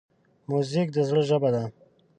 موزیک د زړه ژبه ده.